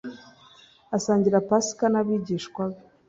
asangira Pasika n abigishwa be